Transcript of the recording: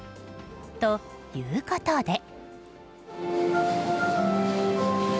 ということで。